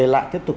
lại tiếp tục